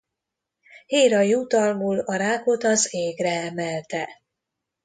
Héra jutalmul a rákot az égre emelte.